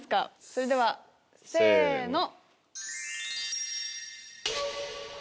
それではせの！